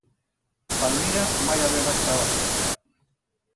Palmira mai habeba estau a Suecia.